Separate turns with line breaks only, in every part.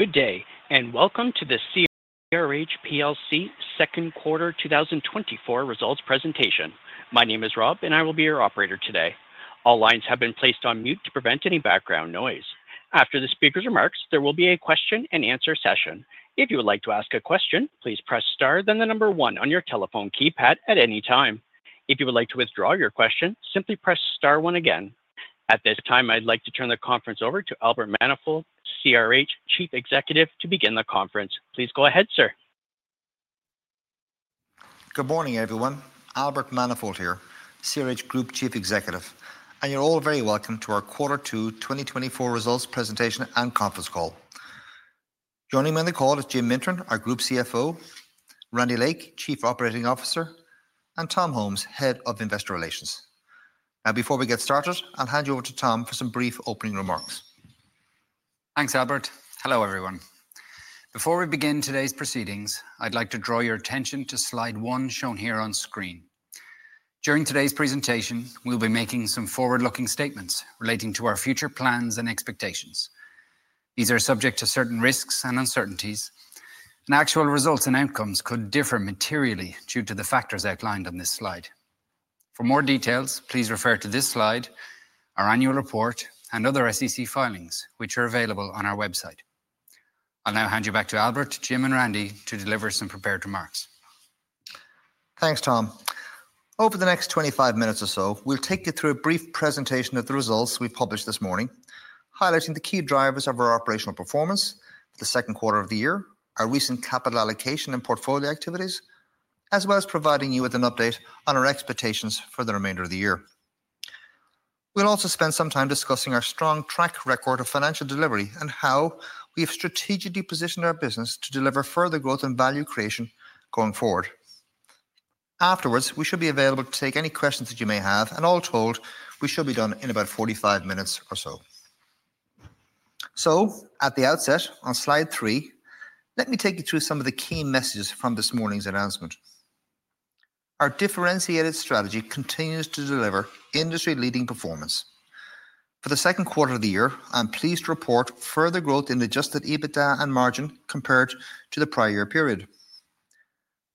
Good day, and welcome to the CRH plc second quarter 2024 results presentation. My name is Rob, and I will be your operator today. All lines have been placed on mute to prevent any background noise. After the speaker's remarks, there will be a question-and-answer session. If you would like to ask a question, please press Star, then the number one on your telephone keypad at any time. If you would like to withdraw your question, simply press Star one again. At this time, I'd like to turn the conference over to Albert Manifold, CRH Chief Executive, to begin the conference. Please go ahead, sir.
Good morning, everyone. Albert Manifold here, CRH Group Chief Executive, and you're all very welcome to our Quarter Two 2024 results presentation and conference call. Joining me on the call is Jim Mintern, our Group CFO, Randy Lake, Chief Operating Officer, and Tom Holmes, Head of Investor Relations. Now, before we get started, I'll hand you over to Tom for some brief opening remarks.
Thanks, Albert. Hello, everyone. Before we begin today's proceedings, I'd like to draw your attention to slide one shown here on screen. During today's presentation, we'll be making some forward-looking statements relating to our future plans and expectations. These are subject to certain risks and uncertainties, and actual results and outcomes could differ materially due to the factors outlined on this slide. For more details, please refer to this slide, our annual report, and other SEC filings, which are available on our website. I'll now hand you back to Albert, Jim, and Randy to deliver some prepared remarks.
Thanks, Tom. Over the next 25 minutes or so, we'll take you through a brief presentation of the results we published this morning, highlighting the key drivers of our operational performance, the second quarter of the year, our recent capital allocation and portfolio activities, as well as providing you with an update on our expectations for the remainder of the year. We'll also spend some time discussing our strong track record of financial delivery and how we have strategically positioned our business to deliver further growth and value creation going forward. Afterwards, we should be available to take any questions that you may have, and all told, we should be done in about 45 minutes or so. So at the outset, on slide 3, let me take you through some of the key messages from this morning's announcement. Our differentiated strategy continues to deliver industry-leading performance. For the second quarter of the year, I'm pleased to report further growth in the Adjusted EBITDA and margin compared to the prior year period.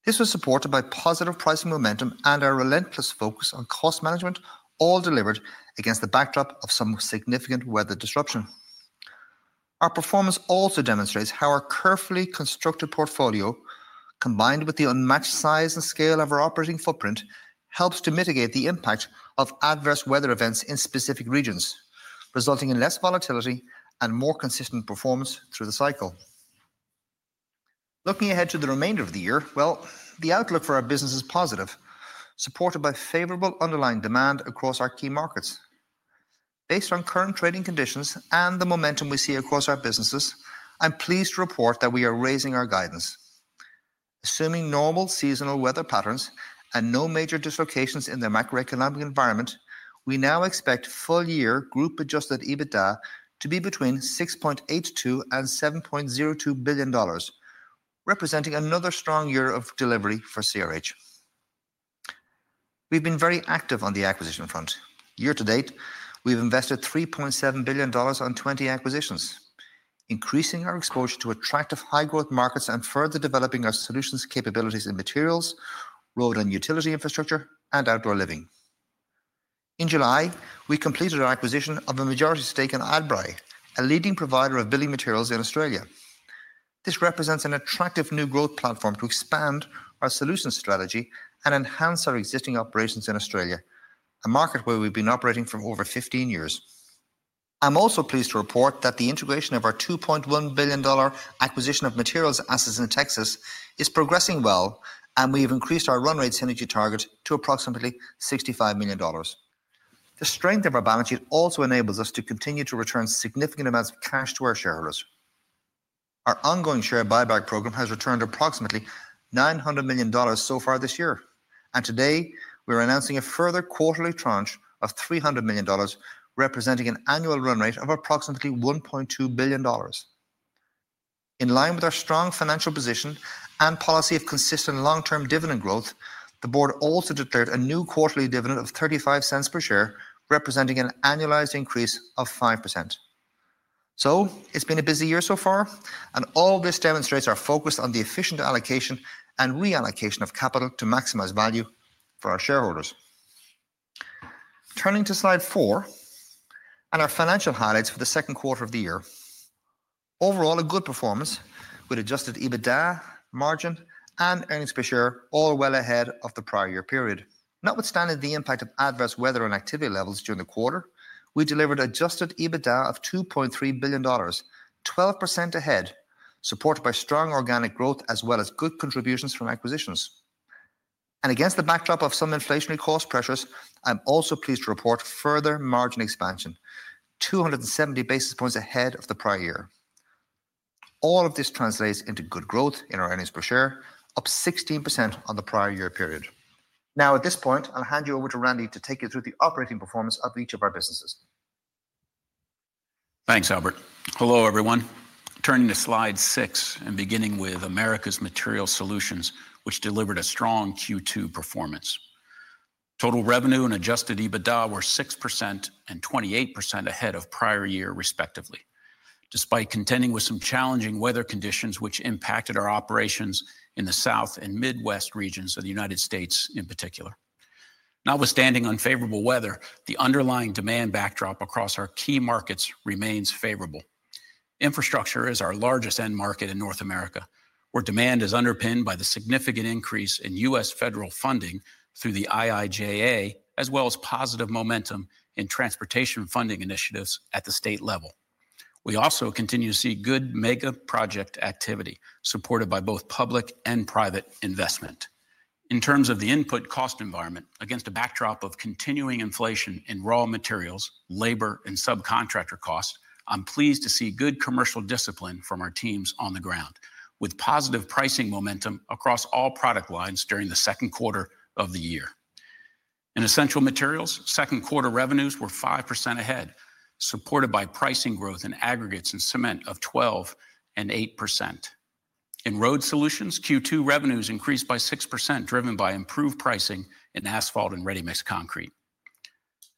This was supported by positive pricing momentum and our relentless focus on cost management, all delivered against the backdrop of some significant weather disruption. Our performance also demonstrates how our carefully constructed portfolio, combined with the unmatched size and scale of our operating footprint, helps to mitigate the impact of adverse weather events in specific regions, resulting in less volatility and more consistent performance through the cycle. Looking ahead to the remainder of the year, well, the outlook for our business is positive, supported by favorable underlying demand across our key markets. Based on current trading conditions and the momentum we see across our businesses, I'm pleased to report that we are raising our guidance. Assuming normal seasonal weather patterns and no major dislocations in the macroeconomic environment, we now expect full-year group-adjusted EBITDA to be between $6.82 billion and $7.02 billion, representing another strong year of delivery for CRH. We've been very active on the acquisition front. Year to date, we've invested $3.7 billion on 20 acquisitions, increasing our exposure to attractive high-growth markets and further developing our solutions capabilities in materials, road and utility infrastructure, and outdoor living. In July, we completed our acquisition of a majority stake in Adbri, a leading provider of building materials in Australia. This represents an attractive new growth platform to expand our solutions strategy and enhance our existing operations in Australia, a market where we've been operating for over 15 years. I'm also pleased to report that the integration of our $2.1 billion acquisition of materials assets in Texas is progressing well, and we've increased our run rate synergy target to approximately $65 million. The strength of our balance sheet also enables us to continue to return significant amounts of cash to our shareholders. Our ongoing share buyback program has returned approximately $900 million so far this year, and today, we're announcing a further quarterly tranche of $300 million, representing an annual run rate of approximately $1.2 billion. In line with our strong financial position and policy of consistent long-term dividend growth, the board also declared a new quarterly dividend of $0.35 per share, representing an annualized increase of 5%. So it's been a busy year so far, and all this demonstrates our focus on the efficient allocation and reallocation of capital to maximize value for our shareholders. Turning to slide 4 and our financial highlights for the second quarter of the year. Overall, a good performance with Adjusted EBITDA, margin, and earnings per share, all well ahead of the prior year period. Notwithstanding the impact of adverse weather and activity levels during the quarter, we delivered Adjusted EBITDA of $2.3 billion, 12% ahead, supported by strong organic growth as well as good contributions from acquisitions. And against the backdrop of some inflationary cost pressures, I'm also pleased to report further margin expansion, 270 basis points ahead of the prior year. All of this translates into good growth in our earnings per share, up 16% on the prior year period. Now, at this point, I'll hand you over to Randy to take you through the operating performance of each of our businesses.
Thanks, Albert. Hello, everyone. Turning to slide six and beginning with Americas Material Solutions, which delivered a strong Q2 performance. ...Total revenue and Adjusted EBITDA were 6% and 28% ahead of prior year, respectively, despite contending with some challenging weather conditions which impacted our operations in the South and Midwest regions of the United States, in particular. Notwithstanding unfavorable weather, the underlying demand backdrop across our key markets remains favorable. Infrastructure is our largest end market in North America, where demand is underpinned by the significant increase in U.S. federal funding through the IIJA, as well as positive momentum in transportation funding initiatives at the state level. We also continue to see good mega project activity, supported by both public and private investment. In terms of the input cost environment, against a backdrop of continuing inflation in raw materials, labor, and subcontractor costs, I'm pleased to see good commercial discipline from our teams on the ground, with positive pricing momentum across all product lines during the second quarter of the year. In Essential Materials, second quarter revenues were 5% ahead, supported by pricing growth in aggregates and cement of 12% and 8%. In Road Solutions, Q2 revenues increased by 6%, driven by improved pricing in asphalt and ready-mix concrete.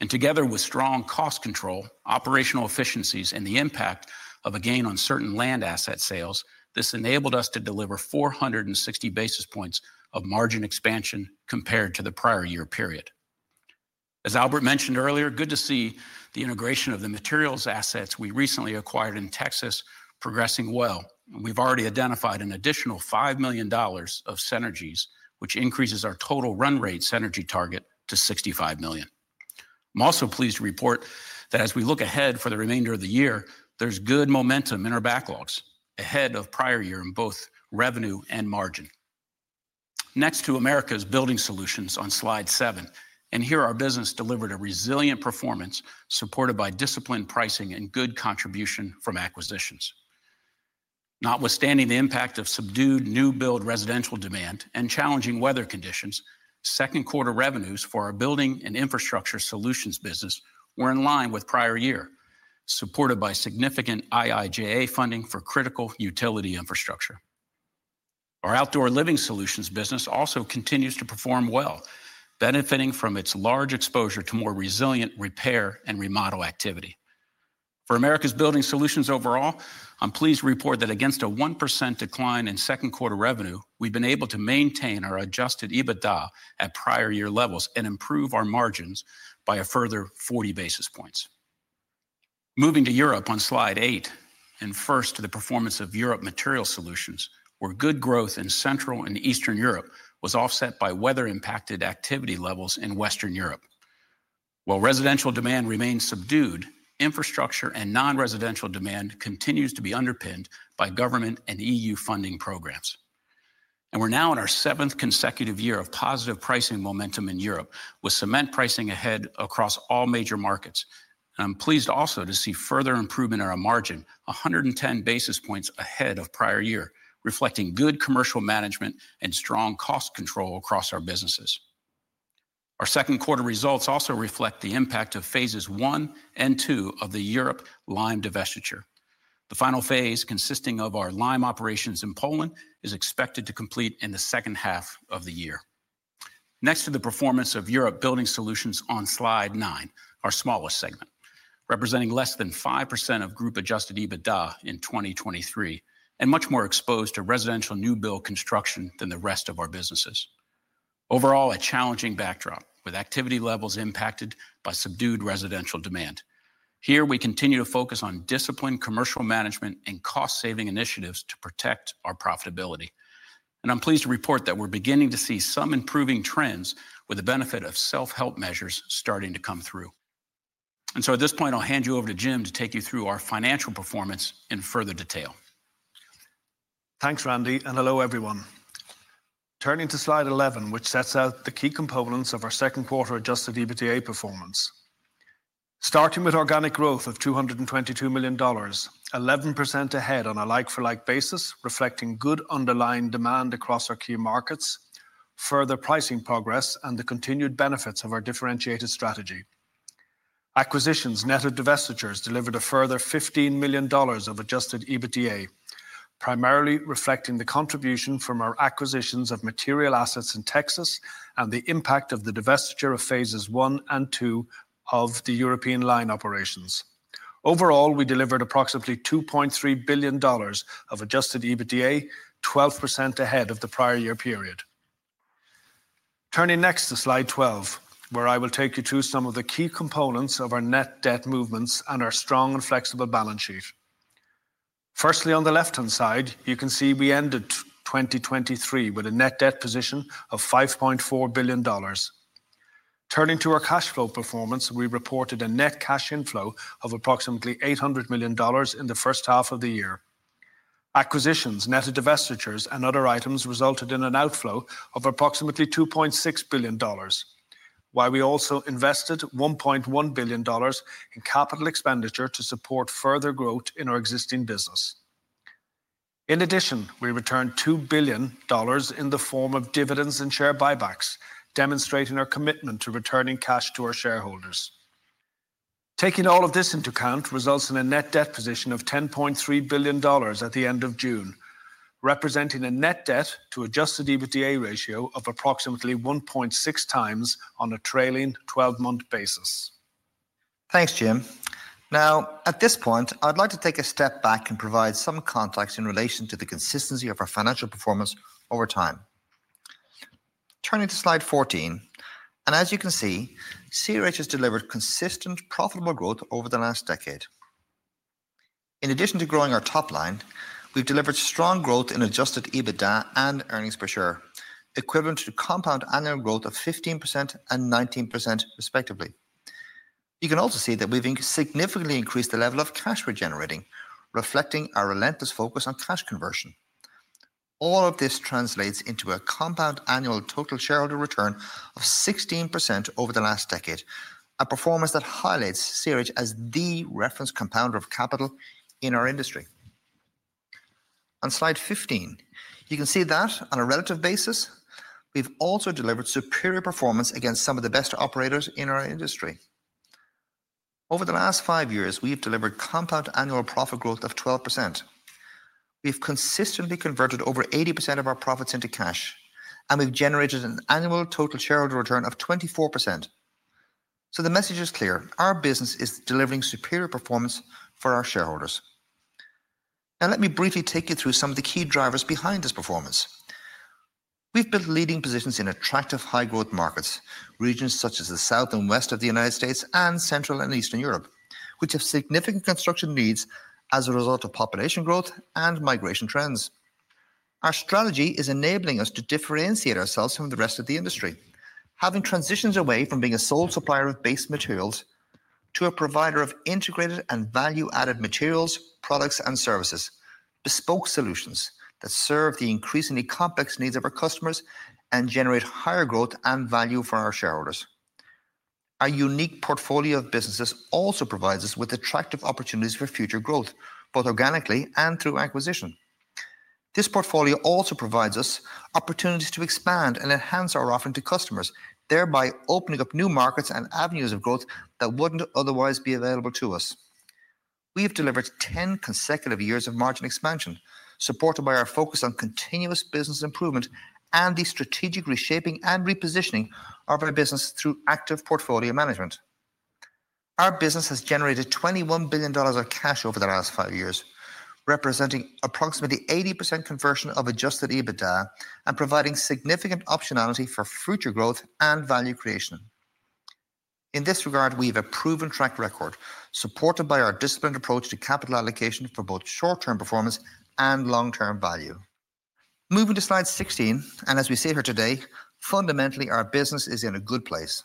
Together with strong cost control, operational efficiencies, and the impact of a gain on certain land asset sales, this enabled us to deliver 460 basis points of margin expansion compared to the prior year period. As Albert mentioned earlier, good to see the integration of the materials assets we recently acquired in Texas progressing well. We've already identified an additional $5 million of synergies, which increases our total run rate synergy target to $65 million. I'm also pleased to report that as we look ahead for the remainder of the year, there's good momentum in our backlogs ahead of prior year in both revenue and margin. Next to Americas Building Solutions on slide 7, and here our business delivered a resilient performance, supported by disciplined pricing and good contribution from acquisitions. Notwithstanding the impact of subdued new build residential demand and challenging weather conditions, second quarter revenues for our building and infrastructure solutions business were in line with prior year, supported by significant IIJA funding for critical utility infrastructure. Our Outdoor Living Solutions business also continues to perform well, benefiting from its large exposure to more resilient repair and remodel activity. For Americas Building Solutions overall, I'm pleased to report that against a 1% decline in second quarter revenue, we've been able to maintain our adjusted EBITDA at prior year levels and improve our margins by a further 40 basis points. Moving to Europe on Slide 8, and first to the performance of Europe Material Solutions, where good growth in Central and Eastern Europe was offset by weather-impacted activity levels in Western Europe. While residential demand remains subdued, infrastructure and non-residential demand continues to be underpinned by government and EU funding programs. We're now in our seventh consecutive year of positive pricing momentum in Europe, with cement pricing ahead across all major markets. I'm pleased also to see further improvement in our margin, 110 basis points ahead of prior year, reflecting good commercial management and strong cost control across our businesses. Our second quarter results also reflect the impact of phases 1 and 2 of the Europe Lime divestiture. The final phase, consisting of our lime operations in Poland, is expected to complete in the second half of the year. Next to the performance of Europe Building Solutions on Slide 9, our smallest segment, representing less than 5% of group-adjusted EBITDA in 2023, and much more exposed to residential new build construction than the rest of our businesses. Overall, a challenging backdrop, with activity levels impacted by subdued residential demand. Here, we continue to focus on disciplined commercial management and cost-saving initiatives to protect our profitability. And I'm pleased to report that we're beginning to see some improving trends with the benefit of self-help measures starting to come through. At this point, I'll hand you over to Jim to take you through our financial performance in further detail.
Thanks, Randy, and hello, everyone. Turning to Slide 11, which sets out the key components of our second quarter adjusted EBITDA performance. Starting with organic growth of $222 million, 11% ahead on a like-for-like basis, reflecting good underlying demand across our key markets, further pricing progress, and the continued benefits of our differentiated strategy. Acquisitions, net of divestitures, delivered a further $15 million of adjusted EBITDA, primarily reflecting the contribution from our acquisitions of material assets in Texas and the impact of the divestiture of phases 1 and 2 of the European lime operations. Overall, we delivered approximately $2.3 billion of adjusted EBITDA, 12% ahead of the prior year period. Turning next to Slide 12, where I will take you through some of the key components of our net debt movements and our strong and flexible balance sheet. Firstly, on the left-hand side, you can see we ended 2023 with a net debt position of $5.4 billion. Turning to our cash flow performance, we reported a net cash inflow of approximately $800 million in the first half of the year. Acquisitions, net of divestitures and other items, resulted in an outflow of approximately $2.6 billion, while we also invested $1.1 billion in capital expenditure to support further growth in our existing business. In addition, we returned $2 billion in the form of dividends and share buybacks, demonstrating our commitment to returning cash to our shareholders.... Taking all of this into account results in a net debt position of $10.3 billion at the end of June, representing a net debt to Adjusted EBITDA ratio of approximately 1.6 times on a trailing twelve-month basis.
Thanks, Jim. Now, at this point, I'd like to take a step back and provide some context in relation to the consistency of our financial performance over time. Turning to slide 14, as you can see, CRH has delivered consistent profitable growth over the last decade. In addition to growing our top line, we've delivered strong growth in Adjusted EBITDA and earnings per share, equivalent to compound annual growth of 15% and 19% respectively. You can also see that we've significantly increased the level of cash we're generating, reflecting our relentless focus on cash conversion. All of this translates into a compound annual total shareholder return of 16% over the last decade, a performance that highlights CRH as the reference compounder of capital in our industry. On slide 15, you can see that on a relative basis, we've also delivered superior performance against some of the best operators in our industry. Over the last five years, we've delivered compound annual profit growth of 12%. We've consistently converted over 80% of our profits into cash, and we've generated an annual total shareholder return of 24%. So the message is clear: Our business is delivering superior performance for our shareholders. Now, let me briefly take you through some of the key drivers behind this performance. We've built leading positions in attractive high-growth markets, regions such as the South and West of the United States and Central and Eastern Europe, which have significant construction needs as a result of population growth and migration trends. Our strategy is enabling us to differentiate ourselves from the rest of the industry. Having transitioned away from being a sole supplier of base materials to a provider of integrated and value-added materials, products, and services, bespoke solutions that serve the increasingly complex needs of our customers and generate higher growth and value for our shareholders. Our unique portfolio of businesses also provides us with attractive opportunities for future growth, both organically and through acquisition. This portfolio also provides us opportunities to expand and enhance our offering to customers, thereby opening up new markets and avenues of growth that wouldn't otherwise be available to us. We have delivered ten consecutive years of margin expansion, supported by our focus on continuous business improvement and the strategic reshaping and repositioning of our business through active portfolio management. Our business has generated $21 billion of cash over the last five years, representing approximately 80% conversion of adjusted EBITDA and providing significant optionality for future growth and value creation. In this regard, we have a proven track record, supported by our disciplined approach to capital allocation for both short-term performance and long-term value. Moving to slide 16, and as we sit here today, fundamentally, our business is in a good place.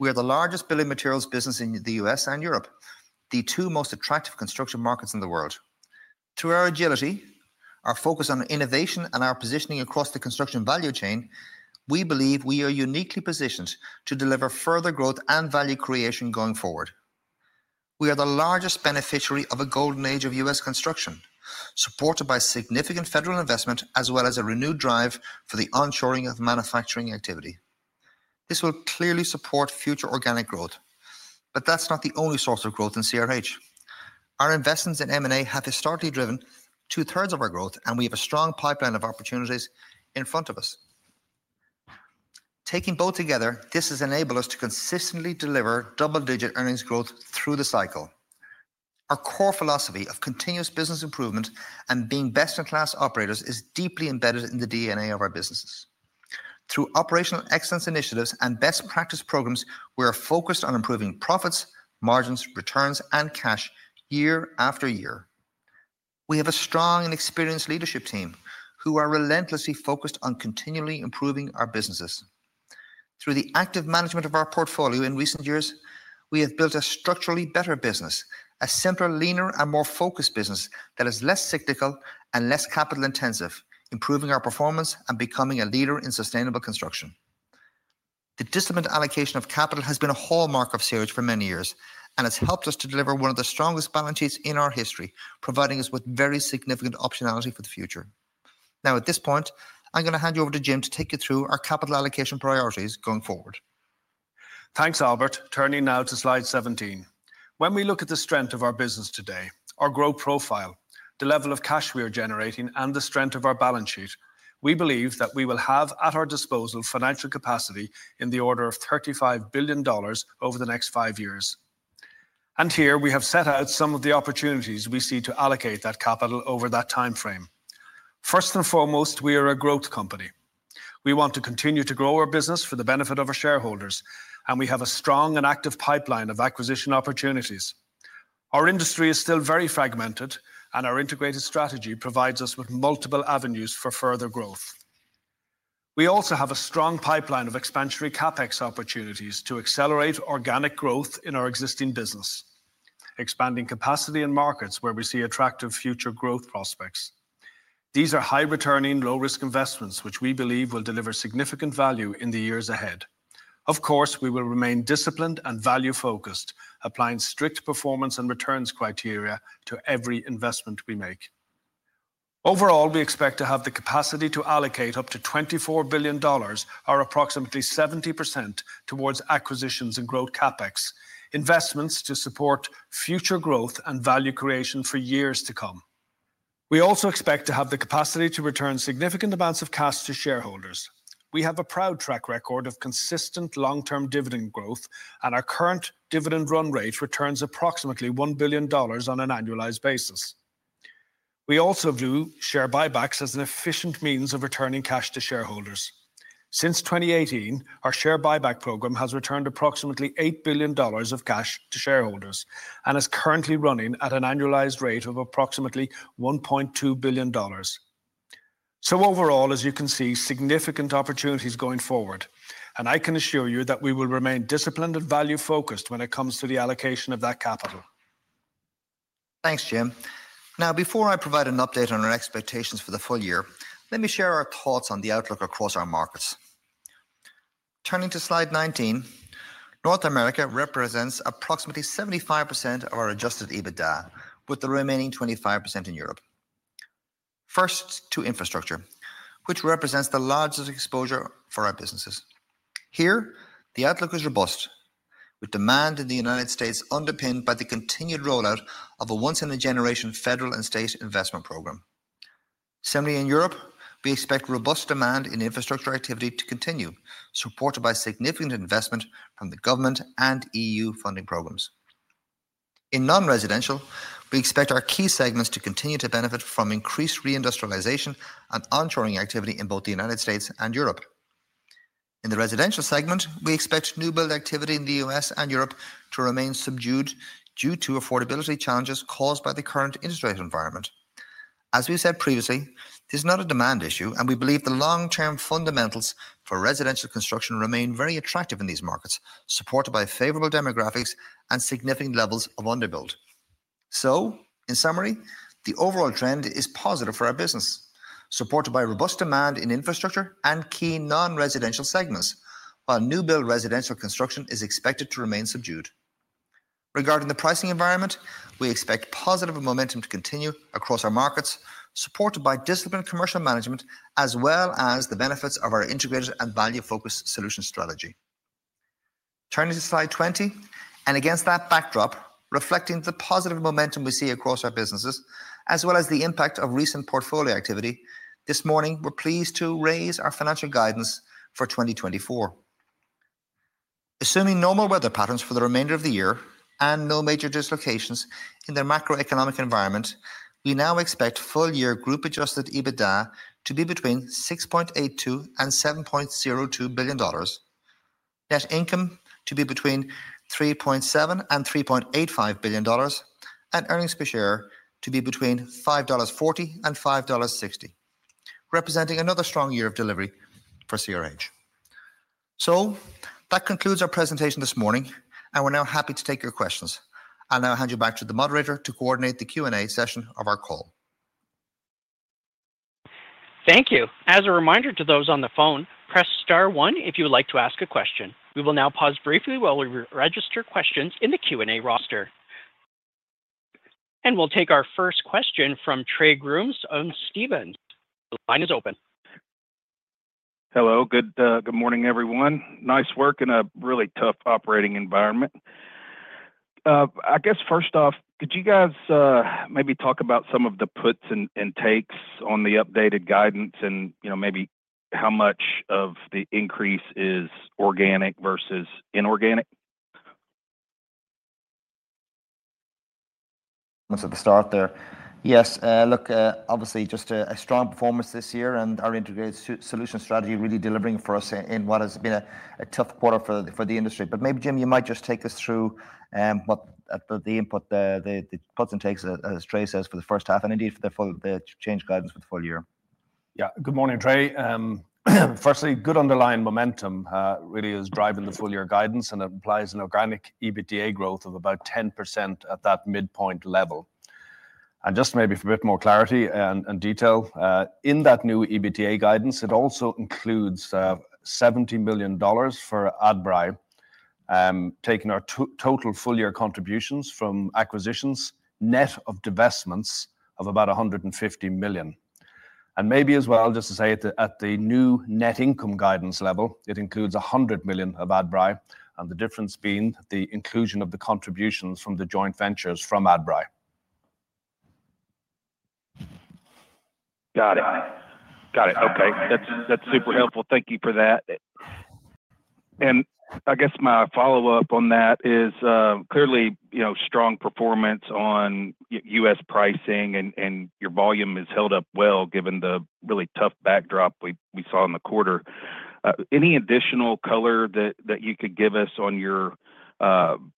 We are the largest building materials business in the U.S. and Europe, the two most attractive construction markets in the world. Through our agility, our focus on innovation, and our positioning across the construction value chain, we believe we are uniquely positioned to deliver further growth and value creation going forward. We are the largest beneficiary of a golden age of U.S. construction, supported by significant federal investment, as well as a renewed drive for the onshoring of manufacturing activity. This will clearly support future organic growth, but that's not the only source of growth in CRH. Our investments in M&A have historically driven two-thirds of our growth, and we have a strong pipeline of opportunities in front of us. Taking both together, this has enabled us to consistently deliver double-digit earnings growth through the cycle. Our core philosophy of continuous business improvement and being best-in-class operators is deeply embedded in the DNA of our businesses. Through operational excellence initiatives and best practice programs, we are focused on improving profits, margins, returns, and cash year after year. We have a strong and experienced leadership team who are relentlessly focused on continually improving our businesses. Through the active management of our portfolio in recent years, we have built a structurally better business, a simpler, leaner, and more focused business that is less cyclical and less capital intensive, improving our performance and becoming a leader in sustainable construction. The disciplined allocation of capital has been a hallmark of CRH for many years, and has helped us to deliver one of the strongest balance sheets in our history, providing us with very significant optionality for the future. Now, at this point, I'm going to hand you over to Jim to take you through our capital allocation priorities going forward.
Thanks, Albert. Turning now to slide 17. When we look at the strength of our business today, our growth profile, the level of cash we are generating, and the strength of our balance sheet, we believe that we will have at our disposal financial capacity in the order of $35 billion over the next 5 years. Here we have set out some of the opportunities we see to allocate that capital over that timeframe. First and foremost, we are a growth company. We want to continue to grow our business for the benefit of our shareholders, and we have a strong and active pipeline of acquisition opportunities. Our industry is still very fragmented, and our integrated strategy provides us with multiple avenues for further growth. We also have a strong pipeline of expansionary CapEx opportunities to accelerate organic growth in our existing business, expanding capacity in markets where we see attractive future growth prospects. These are high-returning, low-risk investments, which we believe will deliver significant value in the years ahead. Of course, we will remain disciplined and value-focused, applying strict performance and returns criteria to every investment we make. Overall, we expect to have the capacity to allocate up to $24 billion, or approximately 70%, towards acquisitions and growth CapEx. Investments to support future growth and value creation for years to come. We also expect to have the capacity to return significant amounts of cash to shareholders. We have a proud track record of consistent long-term dividend growth, and our current dividend run rate returns approximately $1 billion on an annualized basis. We also view share buybacks as an efficient means of returning cash to shareholders. Since 2018, our share buyback program has returned approximately $8 billion of cash to shareholders and is currently running at an annualized rate of approximately $1.2 billion. So overall, as you can see, significant opportunities going forward, and I can assure you that we will remain disciplined and value-focused when it comes to the allocation of that capital.
Thanks, Jim. Now, before I provide an update on our expectations for the full year, let me share our thoughts on the outlook across our markets. Turning to slide 19, North America represents approximately 75% of our Adjusted EBITDA, with the remaining 25% in Europe. First, to infrastructure, which represents the largest exposure for our businesses. Here, the outlook is robust, with demand in the United States underpinned by the continued rollout of a once-in-a-generation federal and state investment program. Similarly, in Europe, we expect robust demand in infrastructure activity to continue, supported by significant investment from the government and EU funding programs. In non-residential, we expect our key segments to continue to benefit from increased reindustrialization and ongoing activity in both the United States and Europe. In the residential segment, we expect new build activity in the U.S. and Europe to remain subdued due to affordability challenges caused by the current interest rate environment. As we said previously, this is not a demand issue, and we believe the long-term fundamentals for residential construction remain very attractive in these markets, supported by favorable demographics and significant levels of underbuild. So in summary, the overall trend is positive for our business, supported by robust demand in infrastructure and key non-residential segments, while new build residential construction is expected to remain subdued. Regarding the pricing environment, we expect positive momentum to continue across our markets, supported by disciplined commercial management, as well as the benefits of our integrated and value-focused solution strategy. Turning to slide 20, and against that backdrop, reflecting the positive momentum we see across our businesses, as well as the impact of recent portfolio activity, this morning, we're pleased to raise our financial guidance for 2024. Assuming normal weather patterns for the remainder of the year and no major dislocations in the macroeconomic environment, we now expect full-year group-adjusted EBITDA to be between $6.82 billion and $7.02 billion. Net income to be between $3.7 billion and $3.85 billion, and earnings per share to be between $5.40 and $5.60, representing another strong year of delivery for CRH. So that concludes our presentation this morning, and we're now happy to take your questions. I'll now hand you back to the moderator to coordinate the Q&A session of our call.
Thank you. As a reminder to those on the phone, press star one if you would like to ask a question. We will now pause briefly while we re-register questions in the Q&A roster. And we'll take our first question from Trey Grooms of Stephens. The line is open.
Hello, good morning, everyone. Nice work in a really tough operating environment. I guess first off, could you guys, maybe talk about some of the puts and takes on the updated guidance and, you know, maybe how much of the increase is organic versus inorganic?
That's at the start there. Yes, look, obviously just a strong performance this year and our integrated solution strategy really delivering for us in what has been a tough quarter for the industry. But maybe, Jim, you might just take us through what the inputs, the puts and takes, as Trey says, for the first half and indeed the changed guidance for the full year.
Yeah. Good morning, Trey. Firstly, good underlying momentum really is driving the full year guidance, and it implies an organic EBITDA growth of about 10% at that midpoint level. And just maybe for a bit more clarity and, and detail, in that new EBITDA guidance, it also includes $70 million for Adbri, taking our total full-year contributions from acquisitions, net of divestments of about $150 million. And maybe as well, just to say, at the new net income guidance level, it includes $100 million of Adbri, and the difference being the inclusion of the contributions from the joint ventures from Adbri.
Got it. Got it. Okay, that's, that's super helpful. Thank you for that. And I guess my follow-up on that is, clearly, you know, strong performance on US pricing and your volume has held up well, given the really tough backdrop we saw in the quarter. Any additional color that you could give us on your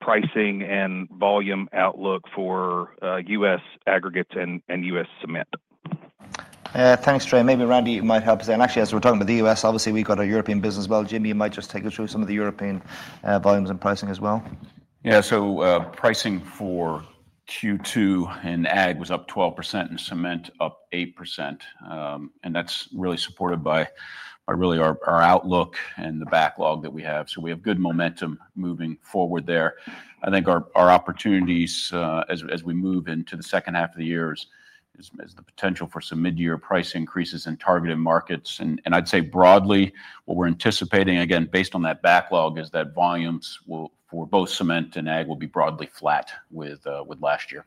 pricing and volume outlook for US aggregates and US cement?
Thanks, Trey. Maybe Randy might help us there. Actually, as we're talking about the US, obviously, we've got a European business as well. Jim, you might just take us through some of the European volumes and pricing as well.
Yeah. So, pricing for Q2 in ag was up 12%, and cement up 8%. And that's really supported by really our outlook and the backlog that we have. So we have good momentum moving forward there. I think our opportunities as we move into the second half of the year is the potential for some mid-year price increases in targeted markets. And I'd say broadly, what we're anticipating, again, based on that backlog, is that volumes will, for both cement and ag, will be broadly flat with last year.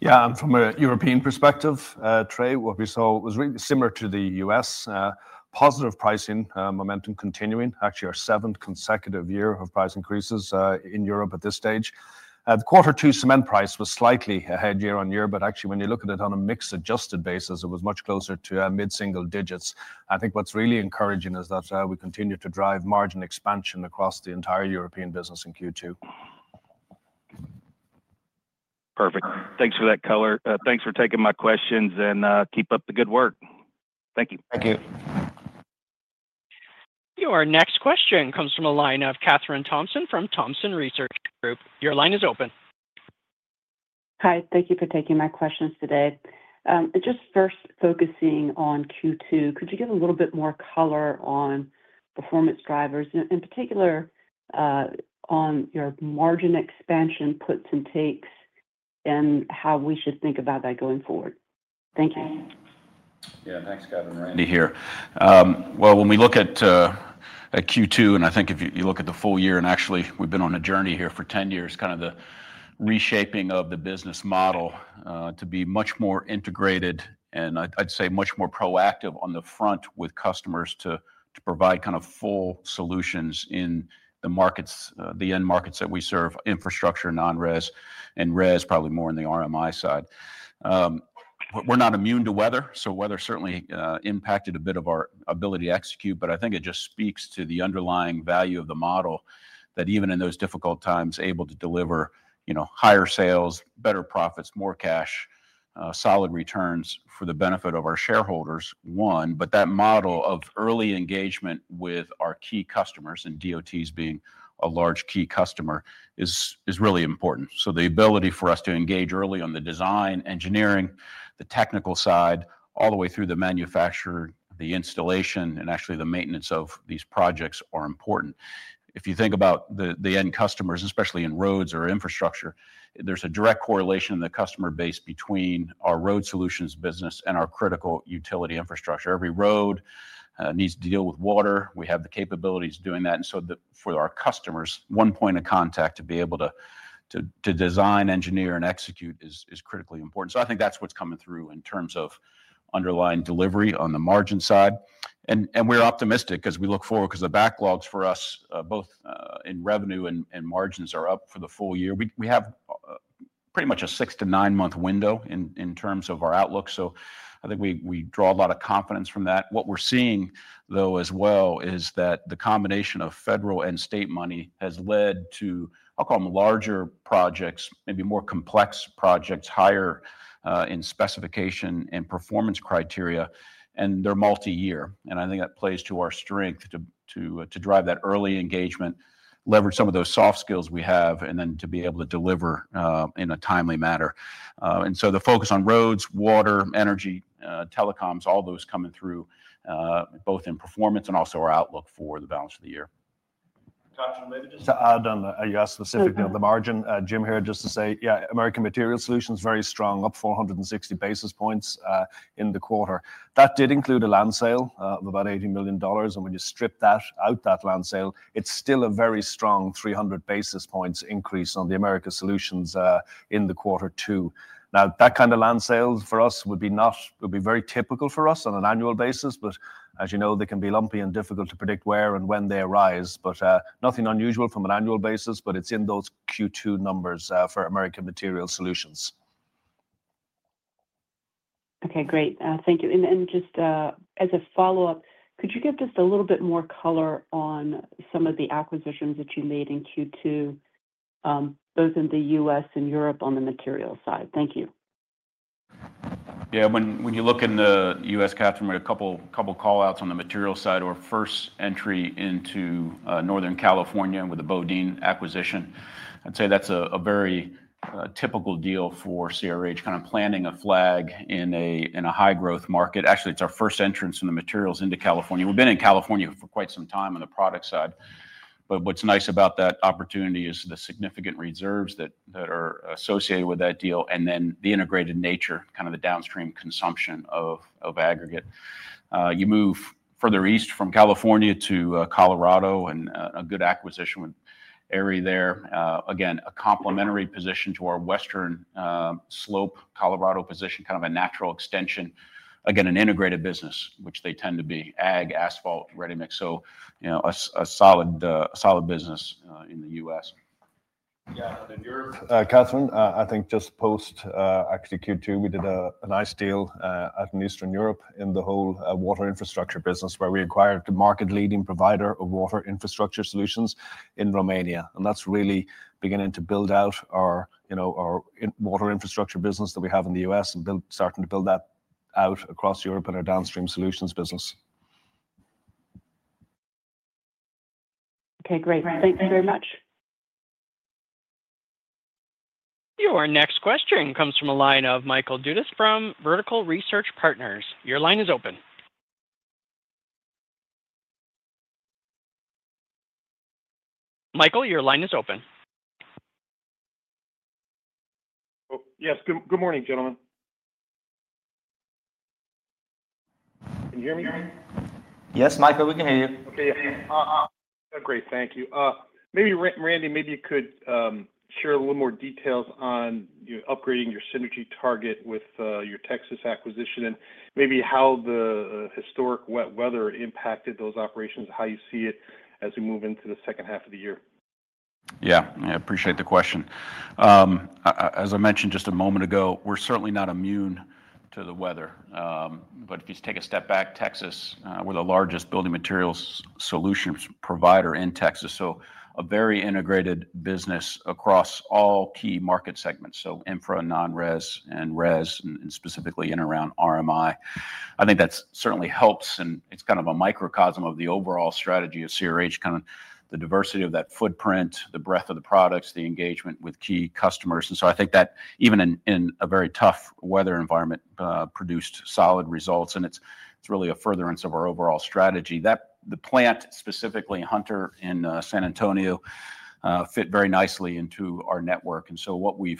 Yeah, and from a European perspective, Trey, what we saw was really similar to the U.S. Positive pricing momentum continuing, actually our seventh consecutive year of price increases in Europe at this stage. The Quarter Two cement price was slightly ahead year-over-year, but actually when you look at it on a mix-adjusted basis, it was much closer to mid-single digits. I think what's really encouraging is that we continue to drive margin expansion across the entire European business in Q2.
Perfect. Thanks for that color. Thanks for taking my questions, and keep up the good work. Thank you.
Thank you.
Your next question comes from the line of Kathryn Thompson from Thompson Research Group. Your line is open.
Hi, thank you for taking my questions today. Just first focusing on Q2, could you give a little bit more color on performance drivers, in particular, on your margin expansion, puts and takes, and how we should think about that going forward? Thank you.
Yeah. Thanks, Kathryn. Randy here. Well, when we look at Q2, and I think if you look at the full year, and actually we've been on a journey here for 10 years, kind of the reshaping of the business model, to be much more integrated and I'd say much more proactive on the front with customers to provide kind of full solutions in the markets, the end markets that we serve, infrastructure, non-res, and res, probably more on the RMI side. But we're not immune to weather, so weather certainly impacted a bit of our ability to execute, but I think it just speaks to the underlying value of the model, that even in those difficult times, able to deliver, you know, higher sales, better profits, more cash, solid returns for the benefit of our shareholders, one. But that model of early engagement with our key customers, and DOTs being a large key customer, is really important. So the ability for us to engage early on the design, engineering, the technical side, all the way through the manufacture, the installation, and actually the maintenance of these projects are important. If you think about the end customers, especially in roads or infrastructure, there's a direct correlation in the customer base between our road solutions business and our critical utility infrastructure. Every road needs to deal with water. We have the capabilities of doing that, and so, for our customers, one point of contact to be able to design, engineer, and execute is critically important. So I think that's what's coming through in terms of underlying delivery on the margin side. We're optimistic as we look forward because the backlogs for us, both, in revenue and margins are up for the full year. We have pretty much a 6-9-month window in terms of our outlook, so I think we draw a lot of confidence from that. What we're seeing, though, as well, is that the combination of federal and state money has led to, I'll call them larger projects, maybe more complex projects, higher, in specification and performance criteria, and they're multi-year. And I think that plays to our strength to drive that early engagement, leverage some of those soft skills we have, and then to be able to deliver in a timely manner. And so the focus on roads, water, energy, telecoms, all those coming through, both in performance and also our outlook for the balance of the year.
Kathryn, maybe just to add on, you asked specifically of the margin. Jim here, just to say, yeah, Americas Material Solutions, very strong, up 460 basis points, in the quarter. That did include a land sale, of about $80 million, and when you strip that out, that land sale, it's still a very strong 300 basis points increase on the Americas Solutions, in the quarter two. Now, that kind of land sales for us would be not... would be very typical for us on an annual basis, but as you know, they can be lumpy and difficult to predict where and when they arise. But, nothing unusual from an annual basis, but it's in those Q2 numbers, for Americas Material Solutions.
Okay, great. Thank you. And just, as a follow-up, could you give just a little bit more color on some of the acquisitions that you made in Q2, both in the U.S. and Europe on the materials side? Thank you.
Yeah. When you look in the US, Kathryn, we had a couple call-outs on the materials side. Our first entry into Northern California with the BoDean acquisition. I'd say that's a very typical deal for CRH, kind of planting a flag in a high-growth market. Actually, it's our first entrance in the materials into California. We've been in California for quite some time on the product side. But what's nice about that opportunity is the significant reserves that are associated with that deal, and then the integrated nature, kind of the downstream consumption of aggregate. You move further east from California to Colorado, and a good acquisition with Erie there. Again, a complementary position to our western slope Colorado position, kind of a natural extension. Again, an integrated business, which they tend to be, ag, asphalt, ready mix. So, you know, a solid, solid business, in the U.S.
Yeah, in Europe, Kathryn, I think just post, actually Q2, we did a nice deal up in Eastern Europe in the whole water infrastructure business, where we acquired the market leading provider of water infrastructure solutions in Romania. And that's really beginning to build out our, you know, our in-water infrastructure business that we have in the US and build, starting to build that out across Europe in our downstream solutions business....
Okay, great. Thank you very much.
Your next question comes from a line of Michael Dudas from Vertical Research Partners. Your line is open. Michael, your line is open.
Oh, yes. Good, good morning, gentlemen. Can you hear me?
Yes, Michael, we can hear you.
Okay. Great. Thank you. Maybe Randy, maybe you could share a little more details on you upgrading your synergy target with your Texas acquisition, and maybe how the historic weather impacted those operations, how you see it as we move into the second half of the year.
Yeah, I appreciate the question. As I mentioned just a moment ago, we're certainly not immune to the weather. But if you take a step back, Texas, we're the largest building materials solutions provider in Texas, so a very integrated business across all key market segments. So infra, non-res, and res, and specifically in and around RMI. I think that's certainly helps, and it's kind of a microcosm of the overall strategy of CRH, kind of the diversity of that footprint, the breadth of the products, the engagement with key customers. And so I think that even in a very tough weather environment, produced solid results, and it's really a furtherance of our overall strategy. That the plant, specifically Hunter in San Antonio, fit very nicely into our network. What we're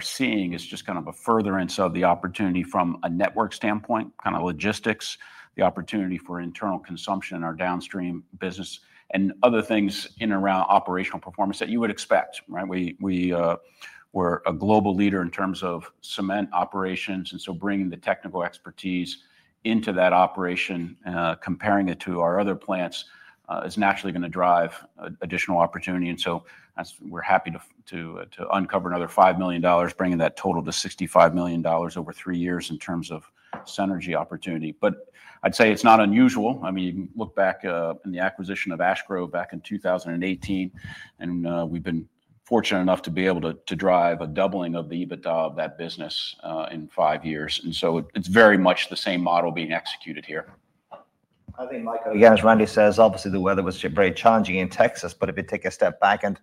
seeing is just kind of a furtherance of the opportunity from a network standpoint, kind of logistics, the opportunity for internal consumption in our downstream business, and other things in and around operational performance that you would expect, right? We're a global leader in terms of cement operations, and so bringing the technical expertise into that operation, comparing it to our other plants, is naturally gonna drive additional opportunity. So that's why we're happy to uncover another $5 million, bringing that total to $65 million over three years in terms of synergy opportunity. But I'd say it's not unusual. I mean, you can look back in the acquisition of Ash Grove back in 2018, and we've been fortunate enough to be able to drive a doubling of the EBITDA of that business in five years, and so it, it's very much the same model being executed here.
I think, Michael, again, as Randy says, obviously, the weather was very challenging in Texas, but if you take a step back and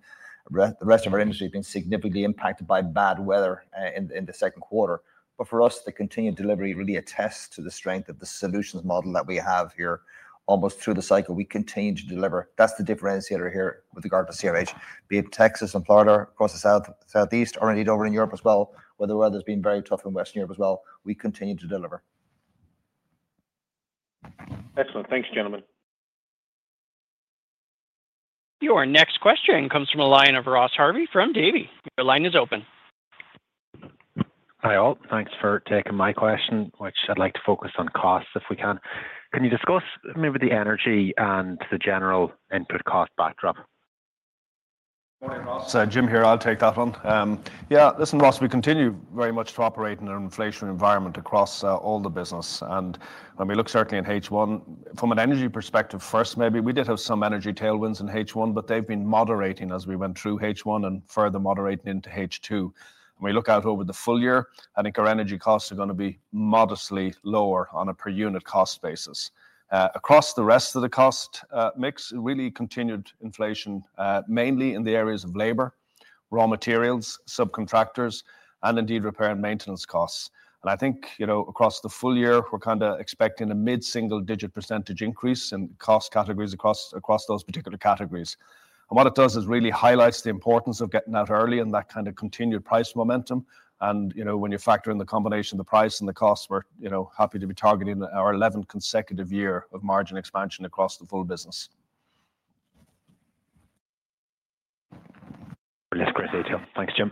the rest of our industry has been significantly impacted by bad weather in the second quarter. But for us, the continued delivery really attests to the strength of the solutions model that we have here. Almost through the cycle, we continue to deliver. That's the differentiator here with regard to CRH. Be it Texas and Florida, across the South, Southeast, or indeed over in Europe as well, where the weather's been very tough in Western Europe as well, we continue to deliver.
Excellent. Thanks, gentlemen.
Your next question comes from a line of Ross Harvey from Davy. Your line is open.
Hi, all. Thanks for taking my question, which I'd like to focus on costs, if we can. Can you discuss maybe the energy and the general input cost backdrop?
Morning, Ross. Jim here. I'll take that one. Yeah, listen, Ross, we continue very much to operate in an inflationary environment across all the business. And when we look certainly in H1, from an energy perspective first, maybe we did have some energy tailwinds in H1, but they've been moderating as we went through H1 and further moderating into H2. When we look out over the full year, I think our energy costs are gonna be modestly lower on a per-unit cost basis. Across the rest of the cost mix, really continued inflation, mainly in the areas of labor, raw materials, subcontractors, and indeed, repair and maintenance costs. And I think, you know, across the full year, we're kinda expecting a mid-single-digit % increase in cost categories across those particular categories. And what it does is really highlights the importance of getting out early and that kind of continued price momentum. And, you know, when you factor in the combination of the price and the costs, we're, you know, happy to be targeting our eleventh consecutive year of margin expansion across the full business.
That's great detail. Thanks, Jim.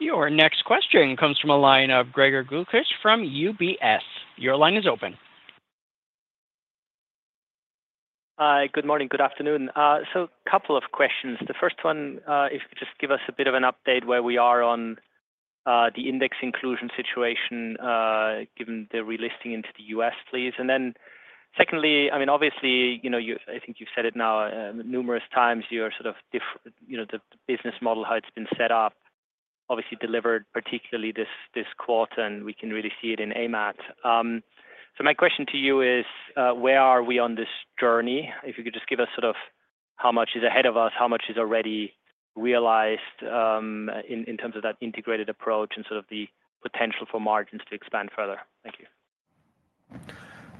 Your next question comes from a line of Gregor Kuglitsch from UBS. Your line is open.
Hi, good morning, good afternoon. So couple of questions. The first one, if you could just give us a bit of an update where we are on, the index inclusion situation, given the relisting into the U.S., please. And then secondly, I mean, obviously, you know, you, I think you've said it now, numerous times, you're sort of you know, the business model, how it's been set up, obviously delivered, particularly this, this quarter, and we can really see it in AMAT. So my question to you is, where are we on this journey? If you could just give us sort of how much is ahead of us, how much is already realized, in terms of that integrated approach and sort of the potential for margins to expand further. Thank you.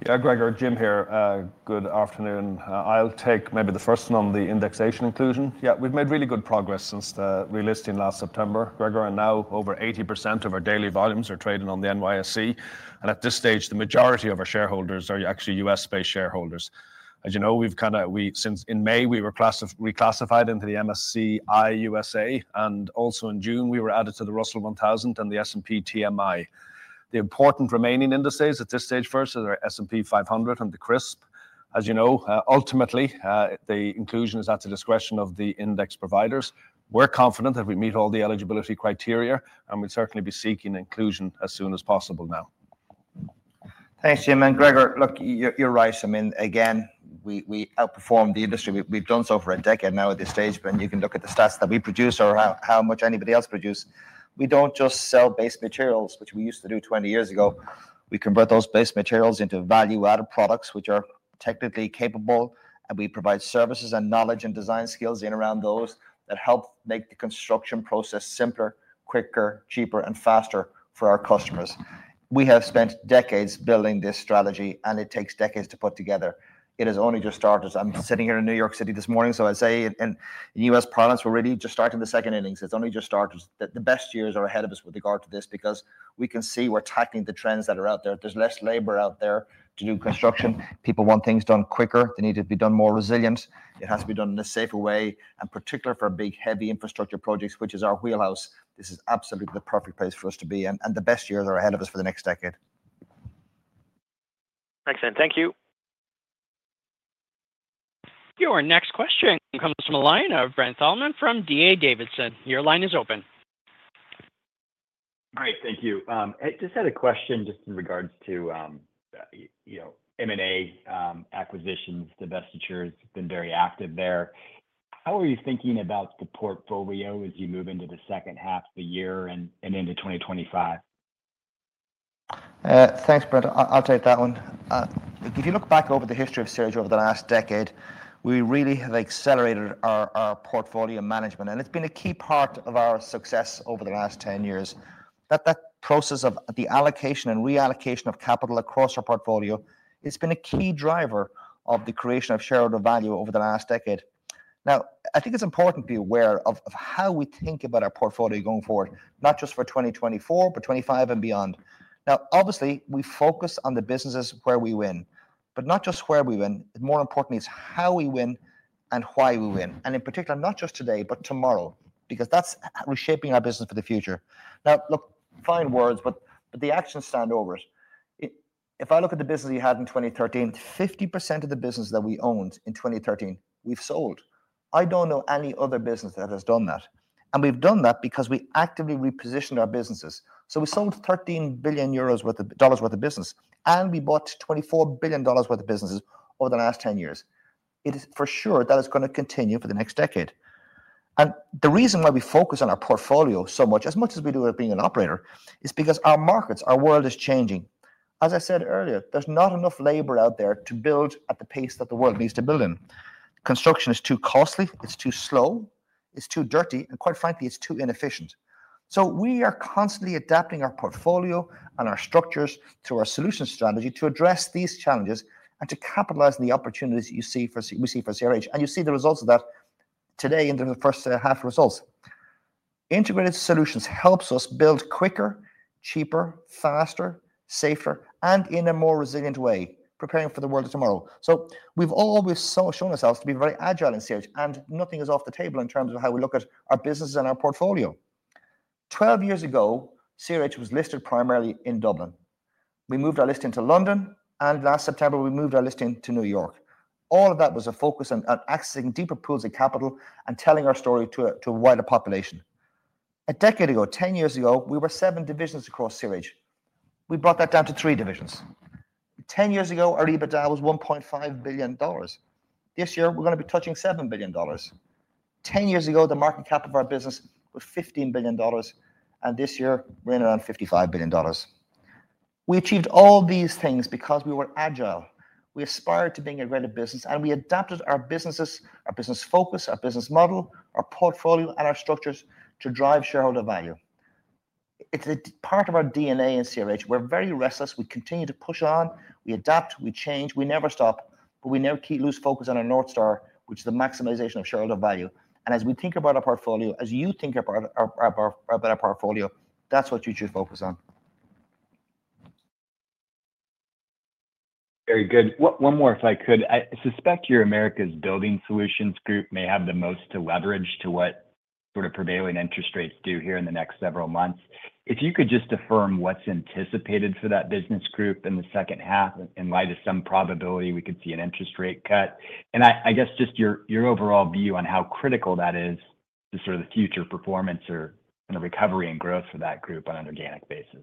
Yeah, Gregor, Jim here. Good afternoon. I'll take maybe the first one on the index inclusion. Yeah, we've made really good progress since the relisting last September, Gregor, and now over 80% of our daily volumes are trading on the NYSE. And at this stage, the majority of our shareholders are actually U.S.-based shareholders. As you know, we've since in May, we were reclassified into the MSCI USA, and also in June, we were added to the Russell 1000 and the S&P TMI. The important remaining indices at this stage first are our S&P 500 and the CRSP. As you know, ultimately, the inclusion is at the discretion of the index providers. We're confident that we meet all the eligibility criteria, and we'll certainly be seeking inclusion as soon as possible now.
Thanks, Jim. And Gregor, look, you're, you're right. I mean, again, we, we outperformed the industry. We've, we've done so for a decade now at this stage, and you can look at the stats that we produce or how, how much anybody else produce. We don't just sell base materials, which we used to do 20 years ago. We convert those base materials into value-added products, which are technically capable, and we provide services and knowledge and design skills in around those that help make the construction process simpler, quicker, cheaper, and faster for our customers. We have spent decades building this strategy, and it takes decades to put together. It has only just started. I'm sitting here in New York City this morning, so I'd say in, in U.S. province, we're really just starting the second innings. It's only just started. The best years are ahead of us with regard to this because we can see we're tackling the trends that are out there. There's less labor out there to do construction. People want things done quicker. They need to be done more resilient. It has to be done in a safer way, and particularly for big, heavy infrastructure projects, which is our wheelhouse, this is absolutely the perfect place for us to be, and the best years are ahead of us for the next decade.
Excellent. Thank you.
Your next question comes from the line of Brent Thlman from D.A. Davidson. Your line is open.
Great, thank you. I just had a question just in regards to, you know, M&A, acquisitions, divestitures, been very active there. How are you thinking about the portfolio as you move into the second half of the year and into 2025?
Thanks, Brent. I'll take that one. If you look back over the history of CRH over the last decade, we really have accelerated our portfolio management, and it's been a key part of our success over the last 10 years. That process of the allocation and reallocation of capital across our portfolio has been a key driver of the creation of shareholder value over the last decade. Now, I think it's important to be aware of how we think about our portfolio going forward, not just for 2024, but 2025 and beyond. Now, obviously, we focus on the businesses where we win, but not just where we win, more importantly, it's how we win and why we win, and in particular, not just today, but tomorrow, because that's reshaping our business for the future. Now, look, fine words, but, but the actions stand over it. If, if I look at the business we had in 2013, 50% of the business that we owned in 2013, we've sold. I don't know any other business that has done that, and we've done that because we actively repositioned our businesses. So we sold $13 billion euros worth of dollars worth of business, and we bought $24 billion worth of businesses over the last 10 years. It is for sure that is gonna continue for the next decade. And the reason why we focus on our portfolio so much, as much as we do at being an operator, is because our markets, our world is changing. As I said earlier, there's not enough labor out there to build at the pace that the world needs to build in. Construction is too costly, it's too slow, it's too dirty, and quite frankly, it's too inefficient. So we are constantly adapting our portfolio and our structures to our solution strategy to address these challenges and to capitalize on the opportunities you see for, we see for CRH, and you see the results of that today in the first half results. Integrated solutions helps us build quicker, cheaper, faster, safer, and in a more resilient way, preparing for the world of tomorrow. So we've always shown ourselves to be very agile in CRH, and nothing is off the table in terms of how we look at our business and our portfolio. 12 years ago, CRH was listed primarily in Dublin. We moved our listing to London, and last September, we moved our listing to New York. All of that was a focus on accessing deeper pools of capital and telling our story to a wider population. A decade ago, 10 years ago, we were seven divisions across CRH. We brought that down to three divisions. 10 years ago, our EBITDA was $1.5 billion. This year, we're gonna be touching $7 billion. 10 years ago, the market cap of our business was $15 billion, and this year we're in around $55 billion. We achieved all these things because we were agile. We aspired to being a greater business, and we adapted our businesses, our business focus, our business model, our portfolio, and our structures to drive shareholder value. It's a part of our DNA in CRH. We're very restless. We continue to push on, we adapt, we change, we never stop, but we never lose focus on our North Star, which is the maximization of shareholder value. As we think about our portfolio, as you think about our, our, our, about our portfolio, that's what you should focus on.
Very good. One, one more, if I could. I suspect your Americas Building Solutions Group may have the most to leverage to what sort of prevailing interest rates do here in the next several months. If you could just affirm what's anticipated for that business group in the second half, in light of some probability, we could see an interest rate cut. And I, I guess just your, your overall view on how critical that is to sort of the future performance or in a recovery and growth for that group on an organic basis.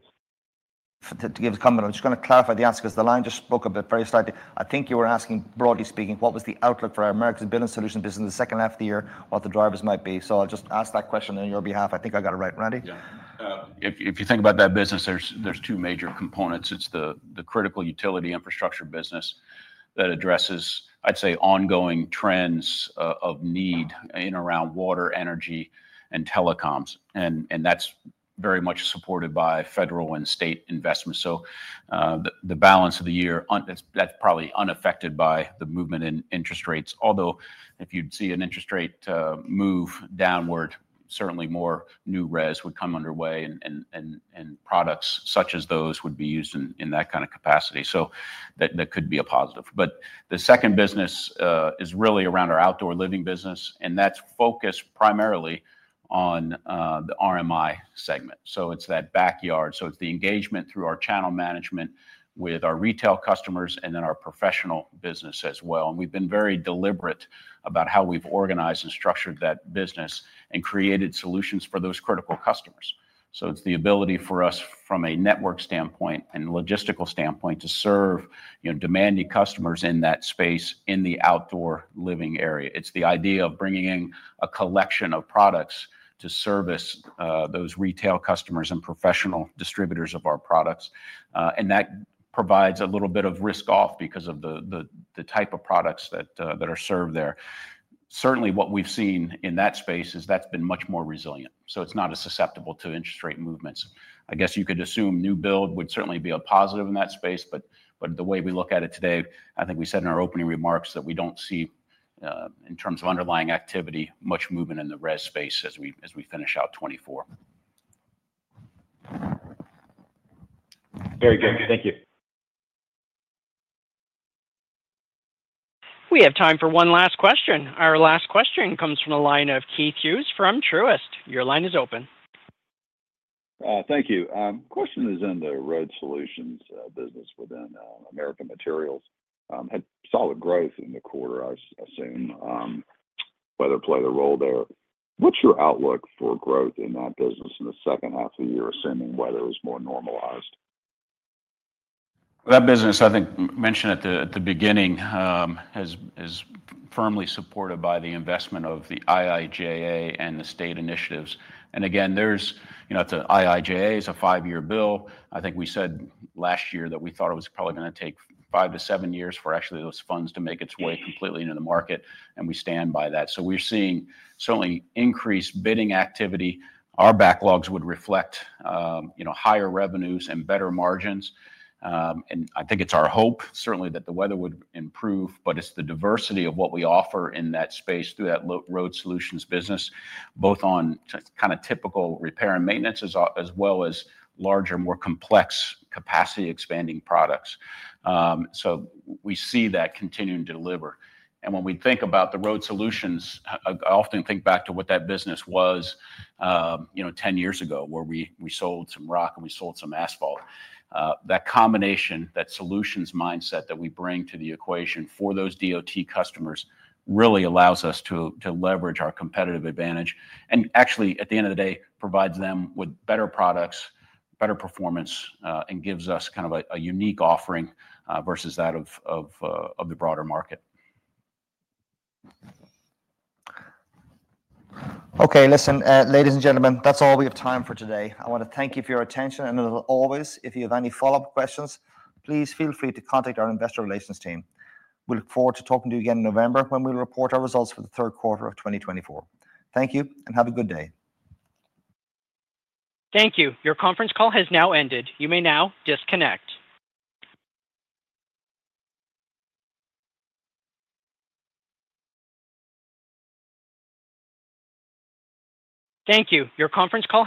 To, to give a comment, I'm just gonna clarify the answer 'cause the line just broke a bit, very slightly. I think you were asking, broadly speaking, what was the outlook for our Americas Building Solutions business in the second half of the year, what the drivers might be. So I'll just ask that question on your behalf. I think I got it right. Randy?
Yeah. If you think about that business, there's two major components. It's the critical utility infrastructure business that addresses, I'd say, ongoing trends of need in and around water, energy, and telecoms, and that's very much supported by federal and state investments. So, the balance of the year on—that's probably unaffected by the movement in interest rates. Although, if you'd see an interest rate move downward, certainly more new res would come underway and products such as those would be used in that kind of capacity. So that could be a positive. But the second business is really around our outdoor living business, and that's focused primarily on the RMI segment. So it's that backyard. So it's the engagement through our channel management with our retail customers and then our professional business as well. And we've been very deliberate about how we've organized and structured that business and created solutions for those critical customers. So it's the ability for us, from a network standpoint and logistical standpoint, to serve, you know, demanding customers in that space, in the outdoor living area. It's the idea of bringing in a collection of products to service those retail customers and professional distributors of our products. And that provides a little bit of risk off because of the type of products that are served there. Certainly, what we've seen in that space is that's been much more resilient, so it's not as susceptible to interest rate movements. I guess you could assume new build would certainly be a positive in that space, but the way we look at it today, I think we said in our opening remarks that we don't see, in terms of underlying activity, much movement in the res space as we finish out 2024.
Very good. Thank you.
We have time for one last question. Our last question comes from the line of Keith Hughes from Truist. Your line is open.
Thank you. Question is in the Road Solutions business within Americas Materials. Had solid growth in the quarter, I assume, weather played a role there. What's your outlook for growth in that business in the second half of the year, assuming weather is more normalized?
That business, I think, mentioned at the beginning, is firmly supported by the investment of the IIJA and the state initiatives. And again, there's, you know, the IIJA is a five-year bill. I think we said last year that we thought it was probably gonna take 5-7 years for actually those funds to make its way completely into the market, and we stand by that. So we're seeing certainly increased bidding activity. Our backlogs would reflect, you know, higher revenues and better margins. And I think it's our hope, certainly, that the weather would improve, but it's the diversity of what we offer in that space through that Road Solutions business, both on kinda typical repair and maintenance, as well as larger, more complex capacity expanding products. So we see that continuing to deliver. When we think about the Road Solutions, I, I often think back to what that business was, you know, 10 years ago, where we, we sold some rock, and we sold some asphalt. That combination, that solutions mindset that we bring to the equation for those DOT customers, really allows us to, to leverage our competitive advantage, and actually, at the end of the day, provides them with better products, better performance, and gives us kind of a, a unique offering versus that of the broader market.
Okay, listen, ladies and gentlemen, that's all we have time for today. I wanna thank you for your attention, and as always, if you have any follow-up questions, please feel free to contact our investor relations team. We look forward to talking to you again in November, when we report our results for the third quarter of 2024. Thank you, and have a good day.
Thank you. Your conference call has now ended. You may now disconnect. Thank you. Your conference call-